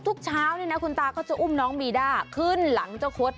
ทุกเช้าเนี่ยนะคุณตาก็จะอุ้มน้องมีด้าขึ้นหลังเจ้าคด